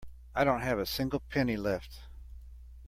I don't have a single penny left.